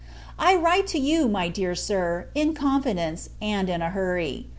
I write to you, my dear Sir, in confidence, and in a hurry.